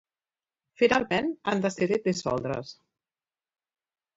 Finalment, han decidit dissoldre's.